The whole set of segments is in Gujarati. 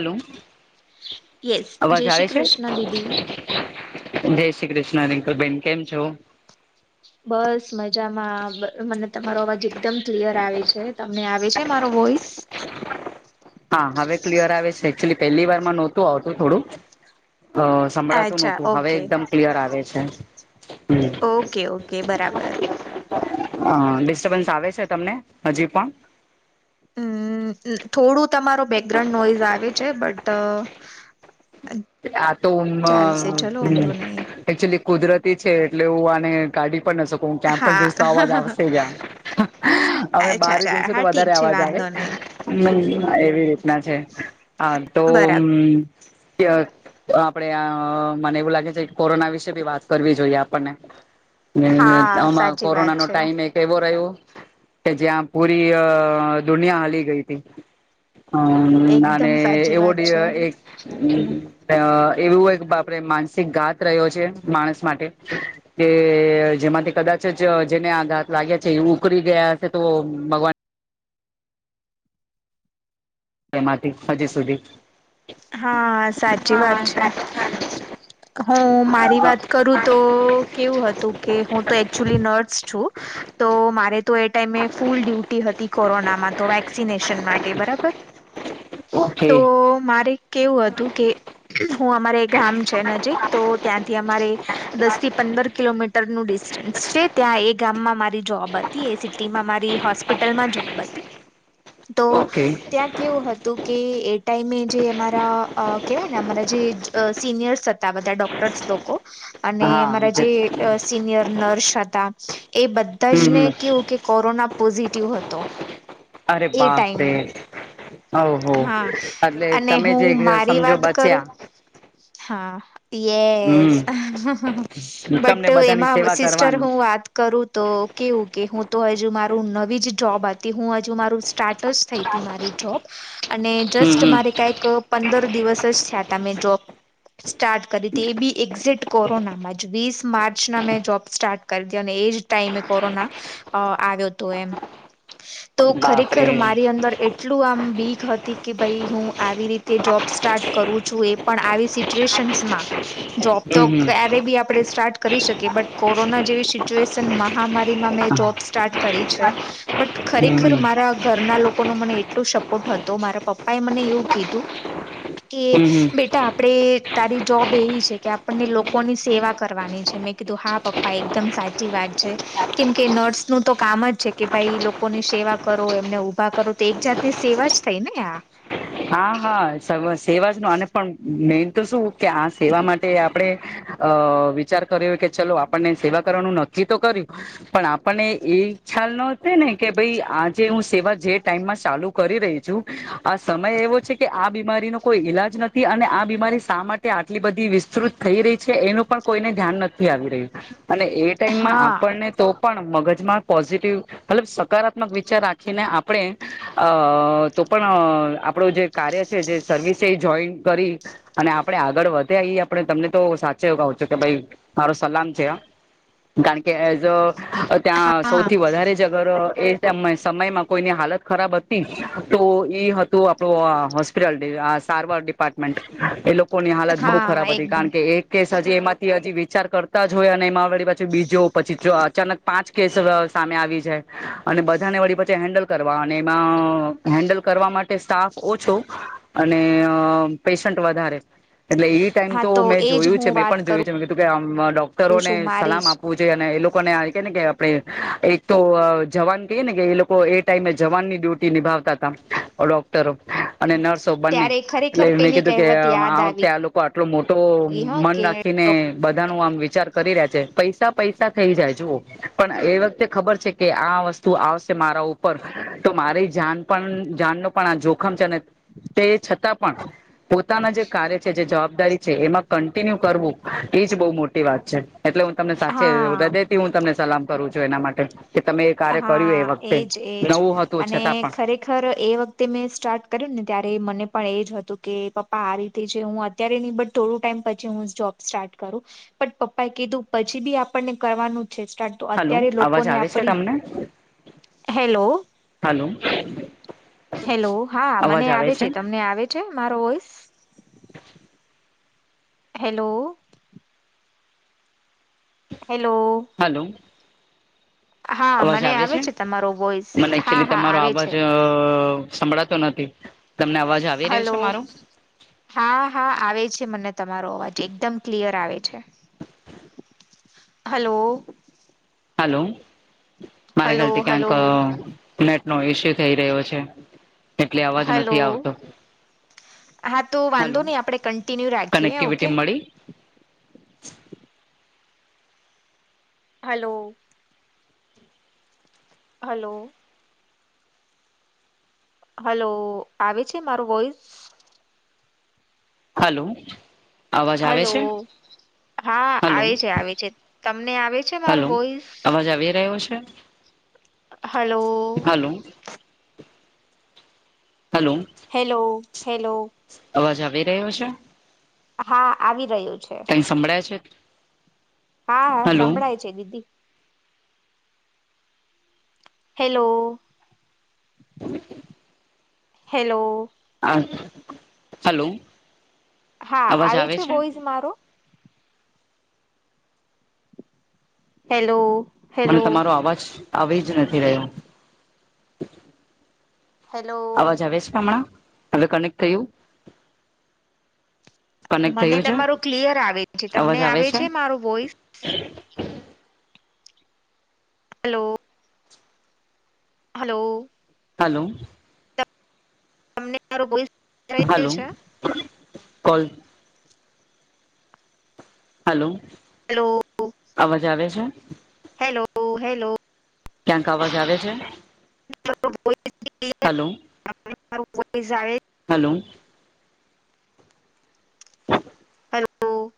હલો, યસ અવાજ જય આવે શ્રી છે? કૃષ્ણ દીદી. જય શ્રી કૃષ્ણ, રિંકલ બેેન કેમ છો? બસ મજામાં, બ મને તમારો અવાજ એકદમ ક્લિયર આવે છે. તમને આવે છે મારો વોઈસ? હા હવે ક્લિયર આવે છે, એકચુલી પહેલી વારમાં નહોતું આવતું થોડું, અ સંભળાતું અચ્છા નહોતું હવે ઓકે એકદમ ક્લિયર આવે છે. ઓકે ઓકે બરાબર. હ ડિસ્ટર્બન્સ આવે છે તમને, હજી પણ. હમ્મ, થોડું તમારો બેકગ્રાઉન્ડ નોઈઝ આવે છે, બટ અ આ તો ઉન મ નહી એકચુલી કુદરતી છે, એટલે હું આને કાઢી પણ ન શક હુ ક્યાં પણ હા જઈશ તો અવાજ આવશેજ આમ હવે અચ્છા બારેહ અચ્છા જઈશું તો હા ઠીક વધારે છે આવાજ આવે વાંધો નહી. હમ્મ એવી રીતના છે, હા તો બરાબર હમ્મ તીય આપડે આ અ મને એવું લાગે છે, કોરોના વિશે બી વાત કરવી જોઈએ આપણને. ને હા આમાં સાચી વાત કોરોના નો છે ટાઈમ એક એવો રહ્યો, કે જ્યાં પૂરી અ દુનિયા હલી ગઈ થી. હમ્મ નાને એકદમ સાચી વાત એવોર્ડ છે. એક અ એવું એક બાપરે માનસિક ઘાત રહ્યો છે માણસ માટે. કે જેમાંથી કદાચ જ જેને આ ઘાત લાગ્યા છે, એ ઉકળી ગયા હશે તો, ભગવાન એમાંથી હજી સુધી. હા સાચી વાત છે, હું મારી વાત કરું તો કેવું હતું કે, હું તો એકક્ચુલી નર્સ છું. તો મારેતો એ ટાઈમે ફૂલ ડ્યુટી હતી કોરોનામાં, તો વેક્સિનેશન માટે બરાબર. [inaudible] તો ઓકે મારી કેવું હતું ક, હું અમારે ગામ છે નજીક, તો ત્યાંથી અમારે દસ થી પંદર કિલોમીટ તર નું ડિસ્ટન્સ છે, ત્યાં એ ગામમાં મારી જોબ હતી, એ સિટીમાં મારી હોસ્પિટલમાં જોબ હતી. તો કે ત્યાં કેવું હતું કે, એ ટાઈમે જે અમા રાઆ કેવાય ને અમારા જે અ સિનિયર્સ હતા બધા ડોક્ટર્સ લોકો. અને હા અમારા જે હમ અ શીનિયર નર્સ હતા એ બધાજ ને હમ કેવુંકે કોરોના પોઝિટિવ હતો. અરે એ બા તે ટાઈમે ઓહ હા એટલે અને તમે જે હું મારી સમજો વાત કરું બચ્યા હા હમ યસ તમને બટ બધાની એમાં સેવા સિસ્ટર કરવાની હું વાત કરું તો કેવું કે, હું તો હજુ મારું નવી જ જોબ હતી, હું હજુ મારું સ્ટાર્ટ તસ થઈ થી મારી જોબ, અને હમ જસ્ટ મારે હમ કાંઈક પંદર દિવસ જ થયા તા મેં જોબ સ્ટાર્ટ કરી તી, એ બી એક્ઝિટ કોરોનામાં જ, વીસ માર્ચના મેં જોબ સ્ટાર્ટ કરી દયો ને એજ ટાઈમે કોરોના અ આવ્યો તો એમ. [inaudible] તો બાપરે ખરેખર મારી અંદર એટલું આમ બીક હતી કે ભાઈ હું આવી રીતે જોબ સ્ટાર્ટ કરું છું એ પણ આવી સિચ્યુએશન્સ માં અ જોબ તો કરે બી આપણે સ્ટાર્ટ કરી શકી બટ કોરોના જેવી સિચ્યુએશન મહામારીમાં મેં હમ જોબ સ્ટાર્ટ કરી છે. બટ ખરેખર હમ મારા ઘરના લોકો ન મને એટલું શક હતો મારા પપ્પા એ મને એવું કીધું કે હમ હમ બેટા આપડે તારી જોબ એવી છે કે આપણને લોકોની સેવા કરવાની છે મેં કીધું હા પપ્પા એકદમ સાચી વાત છે. કેમ કે નર્સનું તો કામ જ છે કે ભાઈ લોકોની સેવા કરો એમને ઉઊભા કરો તો એક જાત સેવા જ થઈ ને આ હા હા સેવાજ ન અને પણ મેન તો શું કે આ સેવા માટે આપણે અ વિચાર કર્યો કે ચલો આપણને સેવા કરવાનું નક્કી તો કર્યું. પણ આપણને એ ખ્યાલ ન ને કે ભાઈ આજે હું સેવા જે ટાઈમમાં ચાલુ. કરી રહી છું આ સમય એવો છે કે આ બીમારીનો કોઈ ઈલાજ નથી અને આ બીમારી શા માટે આટલી બધી વિસ્તૃત થઈ રહી છે એનું પણ કોઈને ધ્યાન નથી આવી રહ્યું અને એ ટાઈમમાં હા આપણને તો પણ મગજમાં પોઝિટિવ મતલબ સકારાત્મક વિચાર રાખીને આપણે અ તો પણ આપણો જે કાર્ય છે જે સર્વિસે એ જોઈન કરી અને આપડણે આગળ વધ્યા એ આપડણે તમને તો સાચે એવું કહું છેું કે ભાઈ. મારો સલામ છે કારણ કે એઝ અ ત્યાં હા સૌથી વધારે અગર એ સમયમાં કોઈની હાલત ખરાબ હતી તો ઈ હતું આપણું હોસ્પિટલ સારવાર ડિપાર્ટમેન્ટ એ લોકોની હાલત બહુ હા ખરાબ હતી એકદમ કારણ કે એક કેસ હજી એમાંથી હજી વિચાર કરતા જ હોય અને એમાં વળી પાછી બીજ પછી અચાનક પાંચ કેસ સામે આવી છે અને બધાને વળી પછી હેન્ડલ કરવા અને એમાં હેન્ડલ કરવા માટે સ્ટાફ ઓછો. અને પેશન્ટ વધારે એટલે ઈ ટાઈમ હા તો મેં એજ જોયું છે હું મેં વાત પણ જોયું છે મેં કીધું કે કરું ડોક્ટરોને છું મારી સલામ જ આપવું. એ લોકોનેને કે આપણે એક તો જવાન કહી ને કે એ લોકો ટાઈમે જવાન ની ડ્યુટી નિભાવતા હતા ડોક્ટરો. અને નર્સો બંને ત્યારે એટલે ખરેખર મેં પેલી કીધું કે કહેવત યાદ આ વખતે આવી આ લોકો આટલો મોટો ગઈ હ મન કે રાખીને બધા ન આમ વિચાર કરી રહ્યા છે પૈસા પૈસા થઈ જાય જુઓ પણ એ વખતે ખબર છે કે આ વસ્તુ તું આવશે મારા ઉપર તો મારી જાન પણ જાન ન પણ આ જોખમ છે ને તે છતાં પણ પોતાના જે કાર્ય છે જે જવાબદારી છે એમાં કન્ટિન્યુ કરવું એજ બહુ મોટી વાત છે એટલે હું તમને સાચ હા હૃદય. હું તમને સલામ કરું છું એના માટે કે તમે એ કાર્ય કર્યું એ હા વખતે એજ એજ નવું હતું અને છતાં પણ ખરેખર એ વખતે મેં સ્ટાર્ટ કર્યું ને ત્યારે મને પણ એ જ હતું કે પપ્પા આ રીતે જે હું અત્યારે નહી બટ થોડું ટાઈમ પછી હું જોબ સ્ટાર્ટ કરું. પણ પપ્પા એ કીધું પછી બી આપણને કરવાનું છે સ્ટાર્ટ તો હલો અત્યારે લોકો અવાજ લોકોને આવે છે આપડી તમને હેલો હલો હેલો હા મને આવે છે તમને આવે છે મારો વોઈસ હેલો હેલો હલો હા અવાજ મને આવે છે તમારો વોઇસ મને હા એકચુલી હા તમારો આવે અવાજ. છે સંભળાતો નથી તમને અવાજ આવી રહ્યો છે હલો મારો. હા હા આવે છે મને તમારો અવાજ એકદમ ક્લિયર આવે છે. હલો. હલો મારા હલો હેલ્તી કેનક. હલો નેટ નો ઇસ્યુ થઈ રહ્યો છે એટલે અવાજ હલો નથી આવતો. હા તો હલો વાંધો નહી આપડે કન્ટિન્યુ રાખીએ કનેક્ટિવિટી ઓકે મળી હલો. હલો. હલો આવે છે મારો વોઈસ. હલો. અવાજ આવે છે હલો. હા હલો આવે છે આવે છે તમને આવે છે મારું હલો વોઈસ. અવાજ આવી રહ્યો છે hello. Hello. Hello. Hello hello. અવાજ આવી રયો છેં હા આવી રહ્યું છે. કઈ સંભળાય છે. હા હા હલો સંભળાય છે દીદી. હેલો. [inaudible] હેલો. હ હલો. હા આવે છે વોઇસ મારો. હેલો. મને હેલો તમારો અવાજ આવી જ નથી રહ્યો. હેલ્લો. અવાજ આવે છે હમણાં હવે કનેક્ટ થયું. કનેક્ટ મને થયું છે તમારું ક્લિયર આવે છે તમને આવે છે મારું વોઈસ. [inaudible] હલો. હલો. હલો. તમને મારો વોઇસ સંભળાએ રયો હલો છેં કોલ. હલો હેલો અવાજ આવે છે. Hello hello. ક્યાંક અવાજ આવે છે. ો [unintelligible] હલો. હમણાં મારું વોઇસ આવે હેલો. હલો.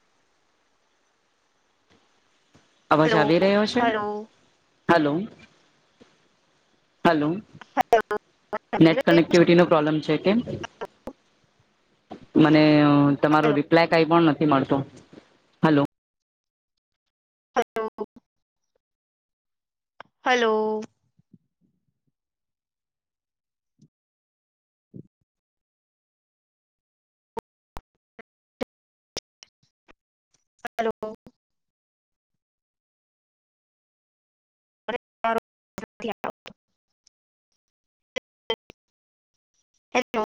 અવાજ હેલો આવી રહ્યો છે hello hello. Hello. Hello net connectivity નો પ્રોબ્લેમ છે કેમ. મને તમારો હેલો રિપ્લાય કઈ પણ નથી મળતું. હલો. Hello hello [unintelligible] hello